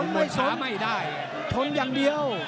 ไม่สนไม่สนทนอย่างเดียว